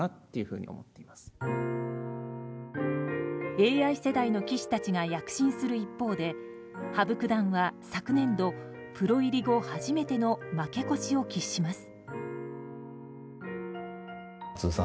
ＡＩ世代の棋士たちが躍進する一方で、羽生九段は昨年度、プロ入り後初めての負け越しを喫します。